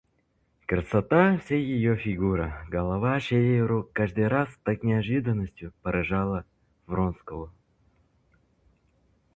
Красота всей ее фигуры, головы, шеи, рук каждый раз, как неожиданностью, поражала Вронского.